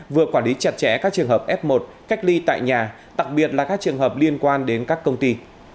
vừa quản lý chặt chẽ các trường hợp f một cách ly tại nhà đặc biệt là các trường hợp liên quan đến các công ty